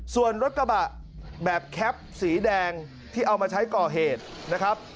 ส่วนรถกระบะแบบแคปสีแดงที่เอามาใช้ก่อเหตุนะครับ